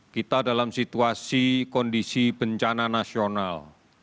kita dalam situasi kondisi bencana nasional